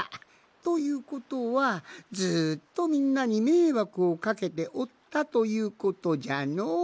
ということはずっとみんなにめいわくをかけておったということじゃの。